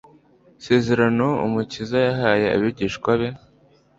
Isezerano Umukiza yahaye abigishwa be,